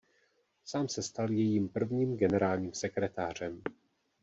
Sám se stal jejím prvním generálním sekretářem.